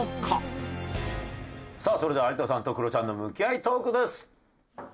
さあそれでは有田さんとクロちゃんの向き合いトークです。